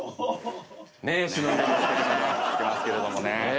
忍んでますけどもね。